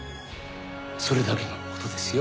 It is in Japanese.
それだけの事ですよ。